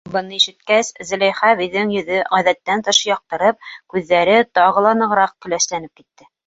Быны ишеткәс, Зөләйха әбейҙең йөҙө ғәҙәттән тыш яҡтырып, күҙҙәре тағы ла нығыраҡ көләсләнеп китте.